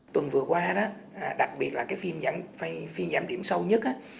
tuần vừa qua đặc biệt là cái phiên giảm điểm sâu nhất